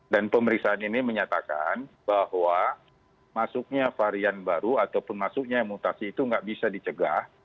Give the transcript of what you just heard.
dan pemeriksaan ini menyatakan bahwa masuknya varian baru ataupun masuknya mutasi itu tidak bisa dicegah